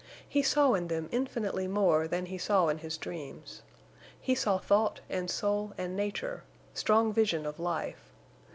He saw in them infinitely more than he saw in his dreams. He saw thought and soul and nature—strong vision of life.